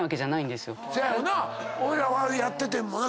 俺らはやっててんもんな。